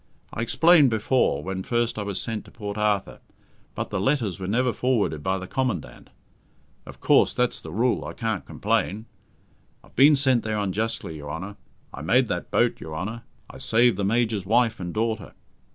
I explained before, when first I was sent to Port Arthur, but the letters were never forwarded by the Commandant; of course, that's the rule, and I can't complain. I've been sent there unjustly, your Honour. I made that boat, your Honour. I saved the Major's wife and daughter.